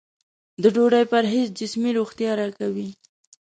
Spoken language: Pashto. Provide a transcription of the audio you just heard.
د ډوډۍ پرهېز جسمي روغتیا راکوي.